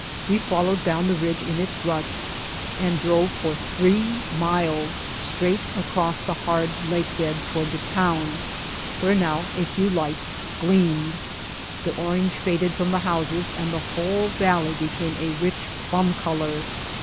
We followed down the ridge in its ruts and drove for three miles straight across the hard lake bed toward the town, where now a few lights gleamed. The orange faded from the houses and the whole valley became a rich plum color.